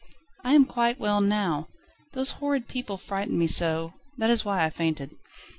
"I am quite well now. Those horrid people frightened me so, that is why I fainted."